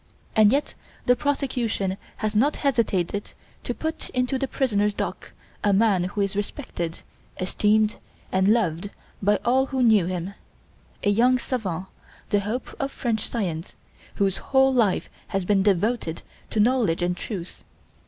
And yet the prosecution has not hesitated to put into the prisoner's dock a man who is respected, esteemed, and loved by all who knew him a young savant, the hope of French science, whose whole life has been devoted to knowledge and truth.